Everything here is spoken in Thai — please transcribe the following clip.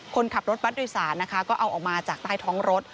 คนขับรถบัตรโดยสารนะคะก็เอาออกมาจากใต้ท้องรถ